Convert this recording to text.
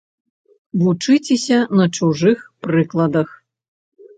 Вучыцеся на чужых прыкладах.